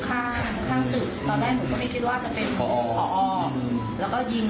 เข้าไปในห้องตรงโต๊ะที่หลบอยู่แต่เขาไม่เห็น